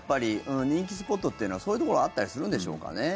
人気スポットってのはそういうところがあったりするんでしょうかね。